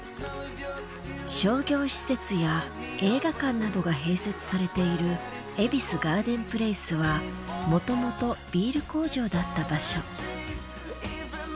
商業施設や映画館などが併設されている恵比寿ガーデンプレイスはもともとビール工場だった場所。